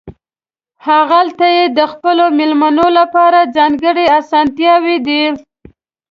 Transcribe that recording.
هغلته یې د خپلو مېلمنو لپاره ځانګړې اسانتیاوې دي.